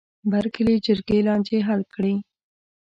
بر کلي جرګې لانجې حل کړې.